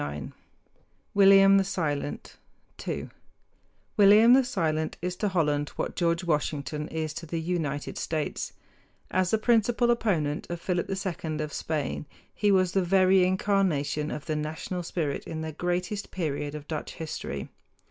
[Illustration: VEEN KADE, THE HAGUE] HOLLAND William the Silent TWO William the Silent is to Holland what George Washington is to the United States. As the principal opponent of Philip II of Spain he was the very incarnation of the national spirit in the greatest period of Dutch history.